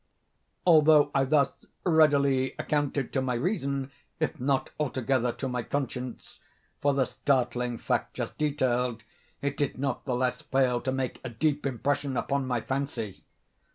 Although I thus readily accounted to my reason, if not altogether to my conscience, for the startling fact just detailed, it did not the less fail to make a deep impression upon my fancy.